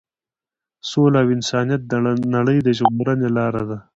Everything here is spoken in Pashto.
سوله او انسانیت د نړۍ د ژغورنې لار ده.